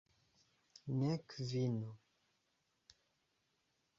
Nek vino.